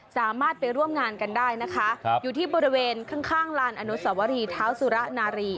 สามารถไปร่วมงานกันได้นะคะอยู่ที่บริเวณข้างข้างลานอนุสวรีเท้าสุระนารี